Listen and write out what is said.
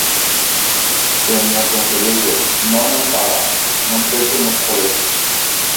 Señor conselleiro, non o fagan, non pechen ese colexio.